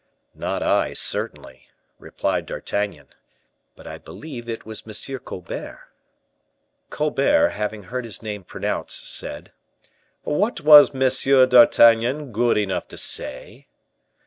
"Not I, certainly," replied D'Artagnan, "but I believe it was M. Colbert." Colbert, having heard his name pronounced, said, "What was M. d'Artagnan good enough to say?"